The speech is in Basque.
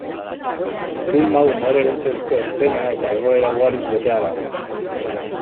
Filma umore beltzezko eszena eta egoera ugariz betea dago.